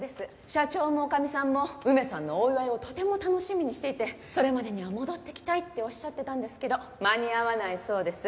社長も女将さんも梅さんのお祝いをとても楽しみにしていてそれまでには戻ってきたいっておっしゃってたんですけど間に合わないそうです。